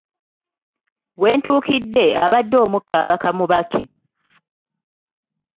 We ntuukiddewo abadde omukka abaka mubake.